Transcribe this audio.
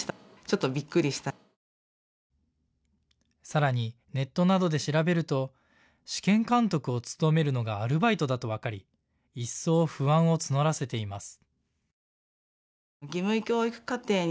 さらにネットなどで調べると試験監督を務めるのがアルバイトだと分かり一層、不安を募らせています。